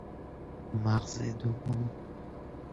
مغز دوم